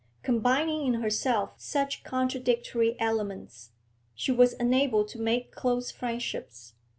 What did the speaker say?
Combining in herself such contradictory elements, she was unable to make close friendships.